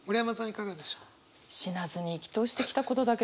いかがでしょう？